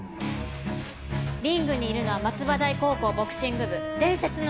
リングにいるのは松葉台高校ボクシング部伝説のＯＢ。